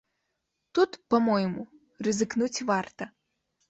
Тут, па-мойму, рызыкнуць варта.